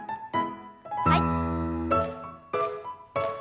はい。